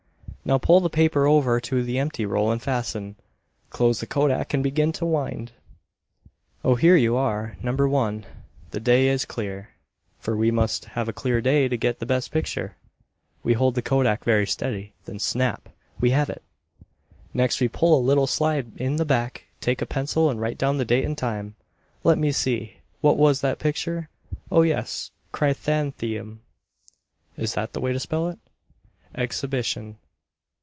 Now pull the paper over to the empty roll and fasten, close the kodak and begin to wind. Oh, here you are, No. 1. The day is clear, for we must have a clear day to get the best picture. We hold the kodak very steady, then snap, we have it. Next we pull a little slide in the back, take a pencil and write down the date and name. Let me see, what was that picture? Oh, yes, "Chrysanthemum (is that the way to spell it?) exhibition."